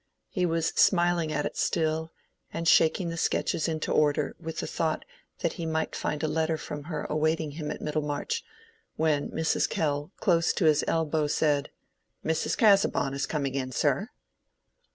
He was smiling at it still, and shaking the sketches into order with the thought that he might find a letter from her awaiting him at Middlemarch, when Mrs. Kell close to his elbow said— "Mrs. Casaubon is coming in, sir."